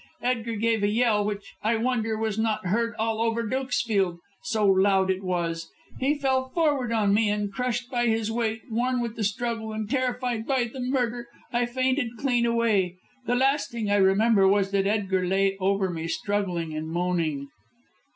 Edgar gave a yell which, I wonder, was not heard all over Dukesfield, so loud it was. He fell forward on me, and crushed by his weight, worn with the struggle, and terrified by the murder, I fainted clean away. The last thing I remember was that Edgar lay over me, struggling and moaning."